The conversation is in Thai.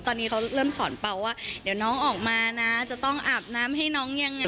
ตอนนี้เขาเริ่มสอนเปล่าว่าเดี๋ยวน้องออกมานะจะต้องอาบน้ำให้น้องยังไง